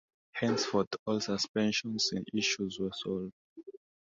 Henceforth, all suspension issues were solved.